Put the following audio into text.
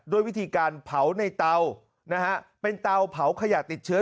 ด้วยวิธีการเผาในเตานะฮะเป็นเตาเผาขยะติดเชื้อ